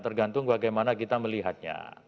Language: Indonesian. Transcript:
tergantung bagaimana kita melihatnya